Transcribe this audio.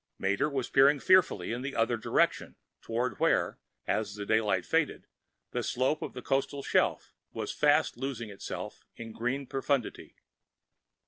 Mater was peering fearfully in the other direction, toward where, as daylight faded, the slope of the coastal shelf was fast losing itself in green profundity.